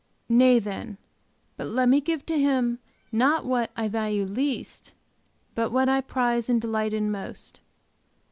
Nay then, but let me give to Him, not what, I value least, but what I prize and delight in most.